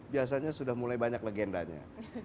biasanya sudah mulai banyak legendanya